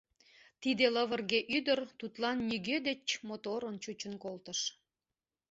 Тиде лывырге ӱдыр тудлан нигӧ деч моторын чучын колтыш.